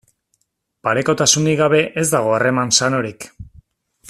Parekotasunik gabe ez dago harreman sanorik.